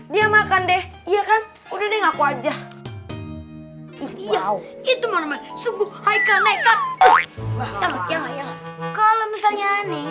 dia makan deh iya kan udah dengak wajah itu memang sungguh hai konek kalau misalnya nih